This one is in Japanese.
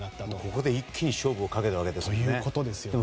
ここで一気に勝負をかけたんですね。